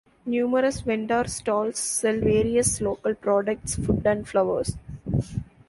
Numerous vendor stalls sell various local products, food, and flowers.